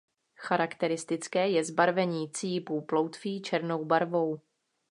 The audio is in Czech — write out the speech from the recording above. Charakteristické je zbarvení cípů ploutví černou barvou.